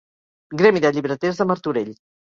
Gremi de Llibreters de Martorell.